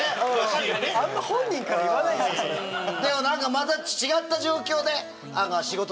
また違った状況で。